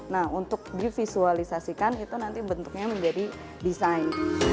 nah untuk divisualisasikan itu nanti bentuknya menjadi desain